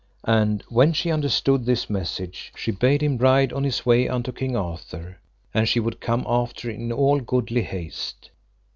And when she understood this message, she bade him ride on his way unto King Arthur, and she would come after in all goodly haste.